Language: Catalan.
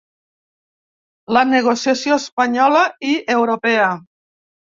La negociació espanyola i europea.